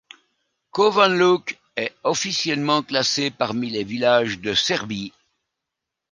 Kovanluk est officiellement classé parmi les villages de Serbie.